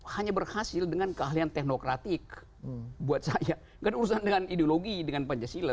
hanya berhasil dengan keahlian teknokratik buat saya dan urusan dengan ideologi dengan pancasila